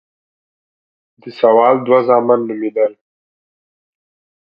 د ساول دوه زامن نومېدل.